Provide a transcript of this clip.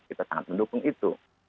kita sangat mendukung itu